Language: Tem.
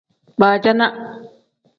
Baacana.